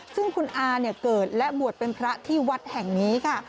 ซึ่งคุณอาเนี่ยเกิดและบวชเป็นพระที่วัดแห่งนี้ค่ะ